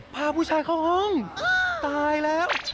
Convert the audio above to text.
พาผู้ชายเข้าห้องตายแล้ว